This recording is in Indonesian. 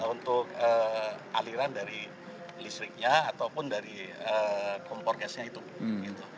untuk aliran dari listriknya ataupun dari kompor gasnya itu